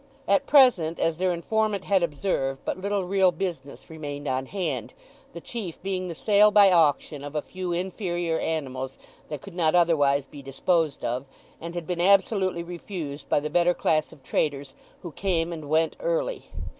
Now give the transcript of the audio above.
At present, as their informant had observed, but little real business remained on hand, the chief being the sale by auction of a few inferior animals, that could not otherwise be disposed of, and had been absolutely refused by the better class of traders, who came and went early.